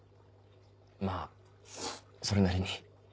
まぁそれなりに。